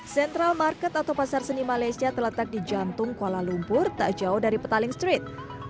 central market atau pasar seni malaysia terletak di jantung kuala lumpur tak jauh dari petaling street